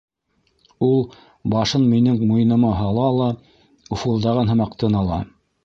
Ул башын минең муйыныма һала ла уфылдаған һымаҡ тын ала.